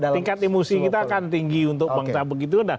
tingkat emosi kita akan tinggi untuk bangsa begitu